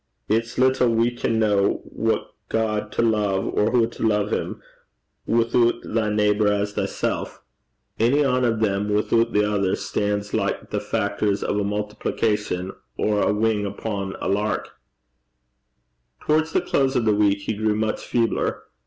It's little we can ken what God to love, or hoo to love him, withoot "thy neighbour as thyself." Ony ane o' them withoot the ither stan's like the ae factor o' a multiplication, or ae wing upo' a laverock (lark).' Towards the close of the week, he grew much feebler.